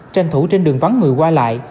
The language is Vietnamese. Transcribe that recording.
tranh thủ trên đường vắng người qua lại